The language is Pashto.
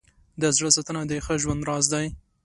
د زړه ساتنه د ښه ژوند راز دی.